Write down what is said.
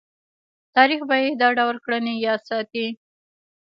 تاریخ به یې دا ډول کړنې یاد ساتي.